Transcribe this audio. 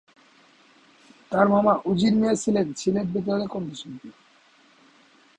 তার মামা উজির মিয়া ছিলেন সিলেট বেতারের কণ্ঠশিল্পী।